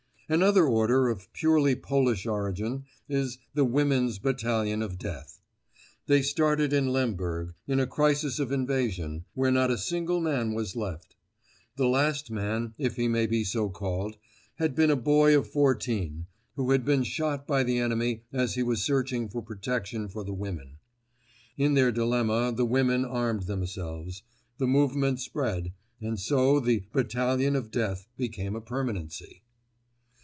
Another order of purely Polish origin is The Women's Battalion of Death. They started in Lemberg, in a crisis of invasion, when not a single man was left. The last man, if he may be so called, had been a hoy of fourteen, who had been shot by the enemy as he was searching for protection for the women. In their dilemma the women armed themselves. The movement spread; and so the Battalion of Death became a permanency.